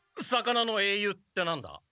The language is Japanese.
魚の英雄ってなんだ？